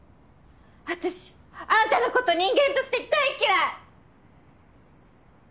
あたしあんたのこと人間として大嫌い！